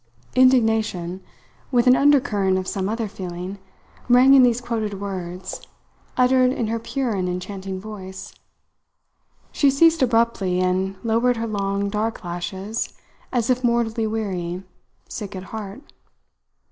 Indignation, with an undercurrent of some other feeling, rang in these quoted words, uttered in her pure and enchanting voice. She ceased abruptly and lowered her long, dark lashes, as if mortally weary, sick at heart.